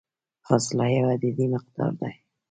فاصله یو عددي مقدار دی.